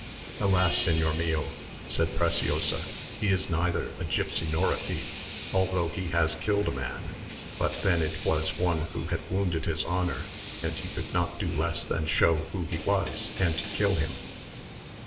"Alas, señor mio," said Preciosa, "he is neither a gipsy nor a thief, although he has killed a man, but then it was one who had wounded his honour, and he could not do less than show who he was, and kill him."